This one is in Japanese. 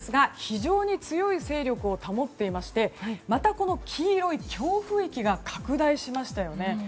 台風１１号なんですが非常に強い勢力を保っていましてまたこの黄色い強風域が拡大しましたよね。